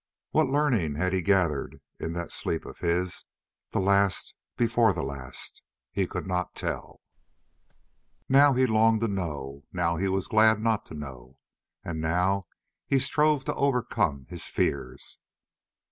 What learning had he gathered in that sleep of his, the last before the last? He could not tell—now he longed to know, now he was glad not to know, and now he strove to overcome his fears.